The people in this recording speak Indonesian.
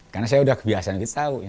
karena saya udah kebiasaan gitu tahu